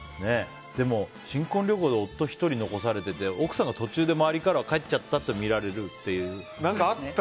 でも、新婚旅行で夫１人残されて奥さんが途中で周りからは帰っちゃったと見られるっていうね。